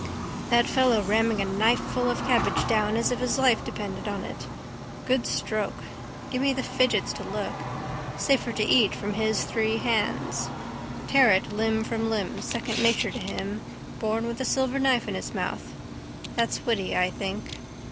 That fellow ramming a knifeful of cabbage down as if his life depended on it. Good stroke. Give me the fidgets to look. Safer to eat from his three hands. Tear it limb from limb. Second nature to him. Born with a silver knife in his mouth. That's witty, I think.